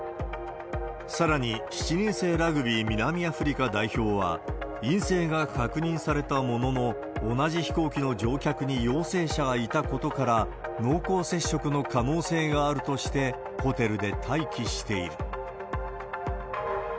さらに、７人制ラグビー南アフリカ代表は、陰性が確認されたものの、同じ飛行機の乗客に陽性者がいたことから、濃厚接触の可能性があるとして、ホテルで待機している。